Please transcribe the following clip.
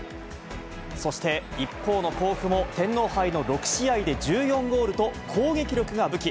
そして一方の甲府も、天皇杯の６試合で１４ゴールと、攻撃力が武器。